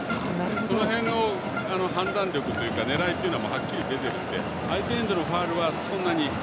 その辺の判断力というか狙いがはっきり出ているので相手エンドのファウルは、そんなに。